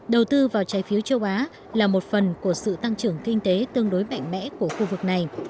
đầu tư vào trái phiếu châu á là một phần của sự tăng trưởng kinh tế tương đối mạnh mẽ của khu vực này